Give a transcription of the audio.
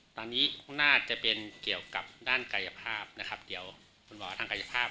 ตอนนี้น่าจะเป็นเกี่ยวกับด้านกายภาพนะครับเดี๋ยวคุณหมอทางกายภาพ